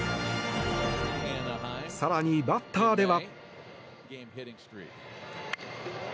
更にバッターでは。